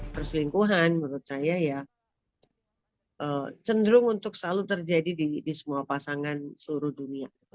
perselingkuhan menurut saya ya cenderung untuk selalu terjadi di semua pasangan seluruh dunia